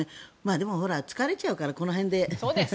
でも、疲れちゃうからこの辺で。